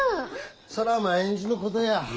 そら毎日のことや。